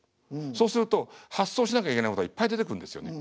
そうすると発想しなきゃいけないことがいっぱい出てくるんですよね。